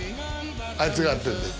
あいつがやってるんだよ。